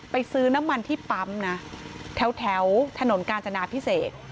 ซื้อน้ำมันที่ปั๊มนะแถวถนนกาญจนาพิเศษ